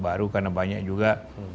baru karena banyak juga